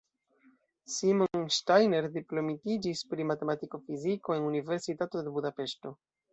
Simon Steiner diplomitiĝis pri matematiko-fiziko en Universitato de Budapeŝto.